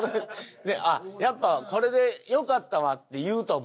やっぱこれでよかったわって言うと思う。